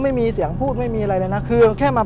ผมก็ไม่เคยเห็นว่าคุณจะมาทำอะไรให้คุณหรือเปล่า